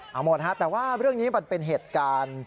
เอาหมดฮะแต่ว่าเรื่องนี้มันเป็นเหตุการณ์